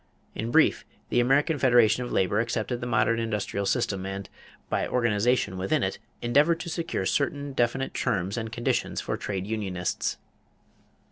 In brief, the American Federation of Labor accepted the modern industrial system and, by organization within it, endeavored to secure certain definite terms and conditions for trade unionists.